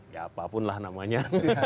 ya apapun lah namanya